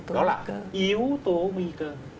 đó là yếu tố nguy cơ